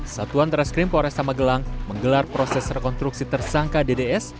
satuan traskrim poresa magelang menggelar proses rekonstruksi tersangka dds